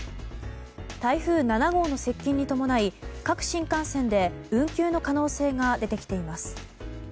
台風７号の接近に伴い各新幹線で運休の可能性が出てきています。